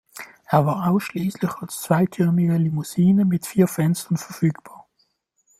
Er war ausschließlich als zweitürige Limousine mit vier Fenstern verfügbar.